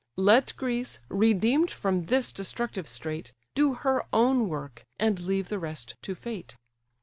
Let Greece, redeem'd from this destructive strait, Do her own work; and leave the rest to fate.